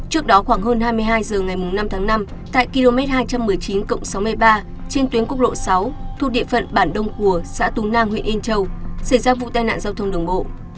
trước đó khoảng hơn hai mươi hai h ngày năm tháng năm tại km hai trăm một mươi chín cộng sáu mươi ba trên tuyến quốc lộ sáu thuộc địa phận bản đông cùa xã tú nang huyện yên châu xảy ra vụ tai nạn giao thông đường bộ